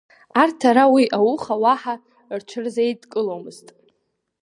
Арҭ ара уи ауха уаҳа рҽырзеидкыломызт.